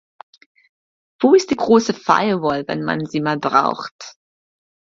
Wo ist die große Firewall, wenn man sie mal braucht?